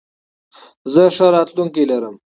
زه ښه راتلونکې لرم.